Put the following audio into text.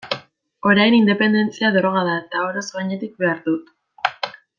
Orain, independentzia droga da, eta oroz gainetik behar dut.